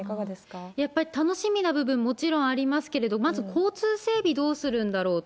やっぱり楽しみな部分ももちろんありますけれども、まず交通整備、どうするんだろうと。